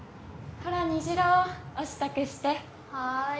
ほら虹朗お支度してはい